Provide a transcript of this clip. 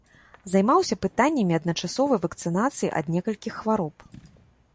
Займаўся пытаннямі адначасовай вакцынацыі ад некалькіх хвароб.